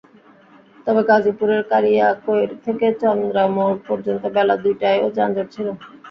তবে গাজীপুরের কালিয়াকৈর থেকে চন্দ্রা মোড় পর্যন্ত বেলা দুইটায়ও যানজট ছিল।